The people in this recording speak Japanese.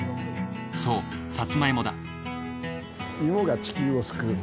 そうサツマイモだ。